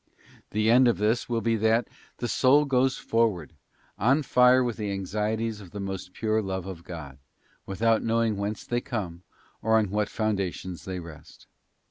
The end of this will be that the soul goes forward, on fire with the anxieties of the most pure love of God, without knowing whence they come or on what foundations they rest.